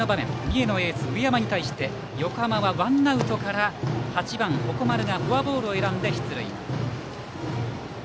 三重のエース、上山に対して横浜はワンアウトから８番、鉾丸がフォアボールを選んで出塁。